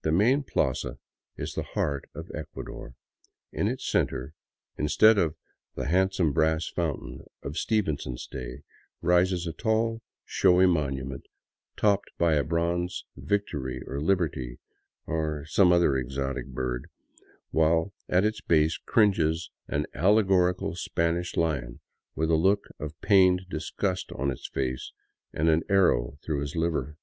The main plaza is the heart of Ecuador. In its center, instead of the " handsome brass fountain " of Stevenson's day, rises a tall, showy monument topped by a bronze Victory or Liberty, or some other exotic bird, while at its base cringes an allegorical Spanish lion with a look of pained disgust on his face and an arrow through his liver.